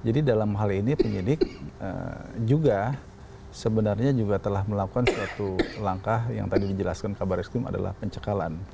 jadi dalam hal ini penyidik juga sebenarnya juga telah melakukan suatu langkah yang tadi dijelaskan kabar eskrim adalah pencekalan